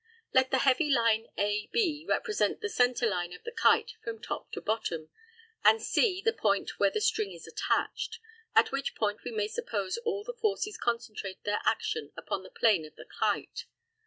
Let the heavy line AB represent the centre line of the kite from top to bottom, and C the point where the string is attached, at which point we may suppose all the forces concentrate their action upon the plane of the kite.